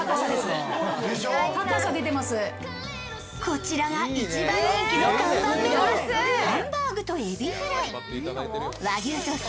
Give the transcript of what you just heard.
こちらが一番人気の看板メニュー、ハンバーグと海老フライ。